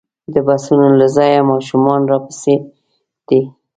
د بسونو له ځایه ماشومان راپسې دي.